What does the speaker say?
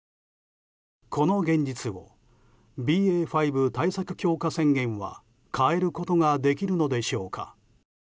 この現実をＢＡ．５対策強化宣言は変えることができるのでしょうか。